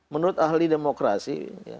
menurut ahli demokrasi